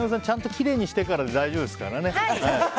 ちゃんときれいにしてからで大丈夫ですからね。